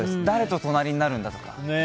誰と隣になるんだとか。